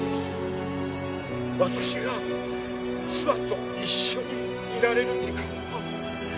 私が妻と一緒にいられる時間はあとわずか。